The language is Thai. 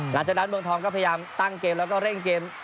หลังจากนั้นเมืองทองก็พยายามตั้งเกมแล้วก็เร่งเกม